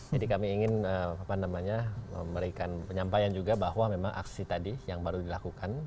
jadi kami ingin memberikan penyampaian juga bahwa memang aksi tadi yang baru dilakukan